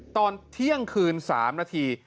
ตอนเที่ยงคืน๓นาที